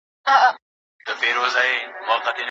که بزګر وي نو ځمکه نه شاړه کیږي.